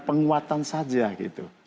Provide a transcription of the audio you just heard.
penguatan saja gitu